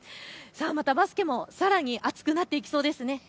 バスケもさらに熱くなっていきそうですね。